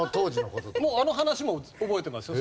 もうあの話も覚えてますよ。